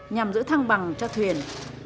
nhằm giữ thăng bằng cho thuyền